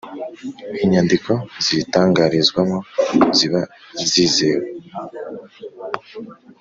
inyandiko ziyitangarizwamo ziba zizewe